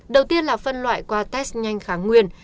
đầu tiên là phân loại qua test nhanh kháng nguyên